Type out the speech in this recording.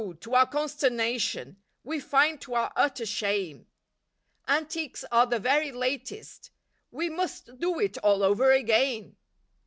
to our consternation We find to our utter shame, "Antiques are the very latest," We must do it all over again.